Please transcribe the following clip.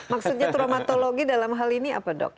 maksudnya traumatologi dalam hal ini apa dok